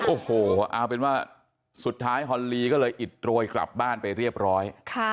โอ้โหเอาเป็นว่าสุดท้ายฮอนลีก็เลยอิดโรยกลับบ้านไปเรียบร้อย